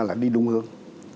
là đi đúng hướng